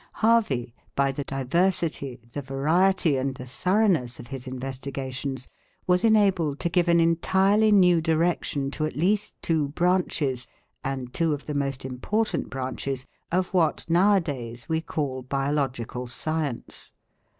Harvey, by the diversity, the variety, and the thoroughness of his investigations, was enabled to give an entirely new direction to at least two branches and two of the most important branches of what now a days we call Biological Science.